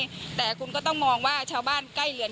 เกิดว่าจะต้องมาตั้งโรงพยาบาลสนามตรงนี้